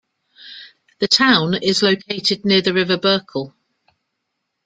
The town is located near the river Berkel.